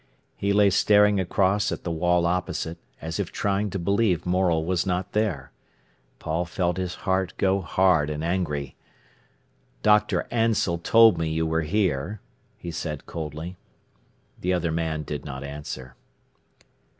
He lay staring across at the wall opposite, as if trying to believe Morel was not there. Paul felt his heart go hard and angry. "Dr. Ansell told me you were here," he said coldly. The other man did not answer.